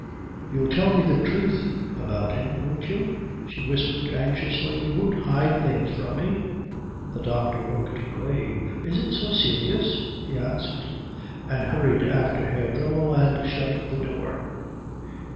"You'll tell me the truth about him, won't you?" she whispered, anxiously. "You won't hide things from me?" The doctor looked grave. "Is it so serious?" he asked; and hurried after Herr Dremmel and shut the door.